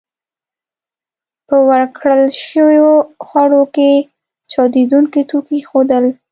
په ورکړل شويو خوړو کې چاودېدونکي توکي ایښودل